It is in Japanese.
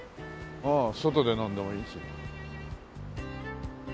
外で飲んでもいいし。